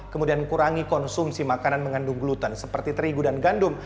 kemudian kurangi konsumsi makanan mengandung gluten seperti terigu dan gandum